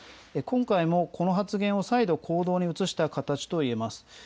今回もこの発言を再度行動に移した形といえます。